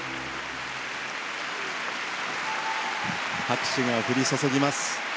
拍手が降り注ぎます。